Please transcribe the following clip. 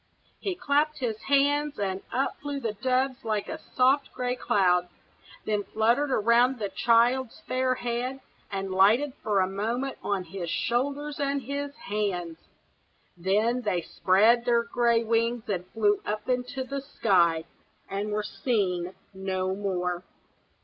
He clapped his hands, and up flew the doves like a soft gray cloud. Then fluttered round the child's fair head, and lighted for a moment on his shoulders and his hands; then they spread their gray wings and flew up into the sky, and were seen no more.